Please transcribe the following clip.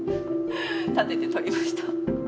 立てて撮りました。